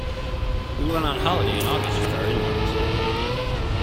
We went on holiday in August with our in-laws.